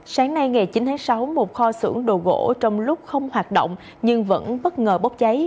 sáng nay ngày chín tháng sáu một kho xưởng đồ gỗ trong lúc không hoạt động nhưng vẫn bất ngờ bốc cháy